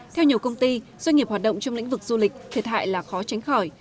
theo nhiều công ty doanh nghiệp hoạt động trong lĩnh vực du lịch thiệt hại là khó tránh khỏi